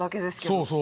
そうそう。